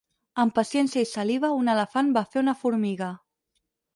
Amb paciència i saliva un elefant va fer una formiga.